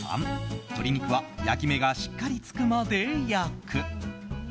鶏肉は焼き目がしっかりつくまで焼く。